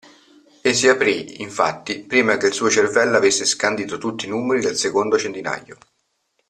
E si aprì, infatti, prima che il suo cervello avesse scandito tutti i numeri del secondo centinaio.